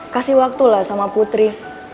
kasih waktu lah sama putri